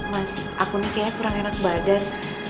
mas aku nih kayaknya kurang enak badan